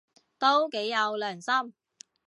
都幾有良心